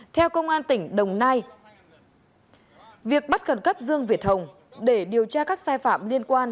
theo công an tỉnh đồng nai việc bắt khẩn cấp dương việt hồng để điều tra các sai phạm liên quan